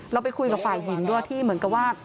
เราไปคุยกับฝ่ายหญิงด้วยที่เหมือนกับว่า